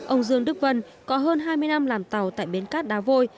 ông dương đức vân có hơn hai mươi năm làm tàu tại bến cát đá vôi